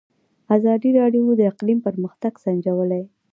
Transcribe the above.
ازادي راډیو د اقلیم پرمختګ سنجولی.